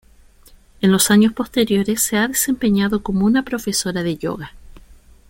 En los años posteriores se ha desempeñado como una profesora de yoga.